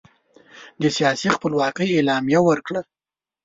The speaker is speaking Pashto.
د سیاسي خپلواکۍ اعلامیه ورکړه.